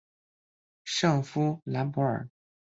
圣夫兰博尔。